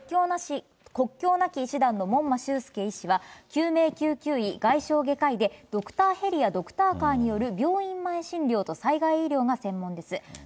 国境なき医師団の門馬秀介医師は、救命救急医、外傷外科医で、ドクターヘリやドクターカーによる、病院前診療と災害医療が専門です。